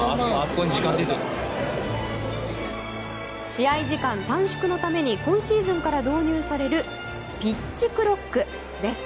試合時間短縮のために今シーズンから導入されるピッチクロックです。